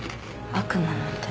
悪魔の手」